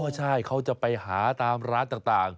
ใช่เขาจะไปหาตามร้านต่าง